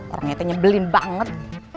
orangnya tanya belin banget